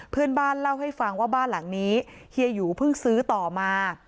เพื่อนบ้านเล่าให้ฟังว่าบ้านหลังนี้เฮียหยูเพิ่งซื้อต่อมา